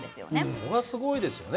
それがすごいですよね